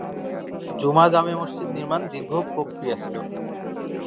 জুমা-জামে মসজিদ নির্মাণ দীর্ঘ প্রক্রিয়া ছিল।